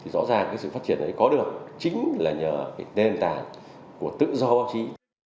rõ ràng sự phát triển có được chính là nhờ nền tảng của tự do báo chí